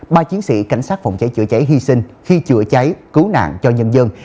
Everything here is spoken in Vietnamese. ba chiến sĩ cảnh sát phòng cháy chữa cháy hy sinh khi chữa cháy cứu nạn cho nhân dân